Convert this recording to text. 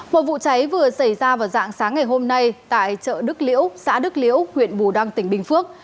một vụ cháy vừa xảy ra vào dạng sáng ngày hôm nay tại chợ đức liễu xã đức liễu huyện bù đăng tỉnh bình phước